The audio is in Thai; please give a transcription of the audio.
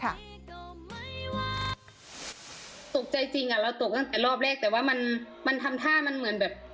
ตกใจจริงอะเราตกตั้งแต่รอบแรกแต่ว่ามันทำท่ามันเหมือนแบบ